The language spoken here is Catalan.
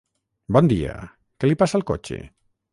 Bon dia, què li passa al cotxe?